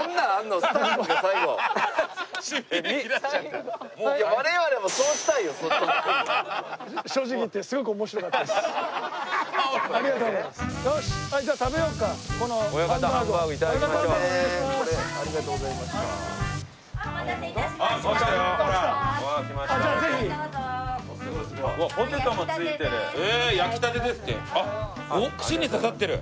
あっ串に刺さってる。